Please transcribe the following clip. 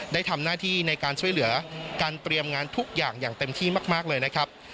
ได้ทำหน้าที่ในการช่วยเหลือการเตรียมงานทุกอย่างอย่างเต็มที่มากเลยนะครับ